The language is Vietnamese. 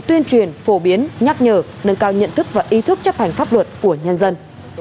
tuyên truyền phổ biến nhắc nhở nâng cao nhận thức và ý thức chấp hành pháp luật của nhân dân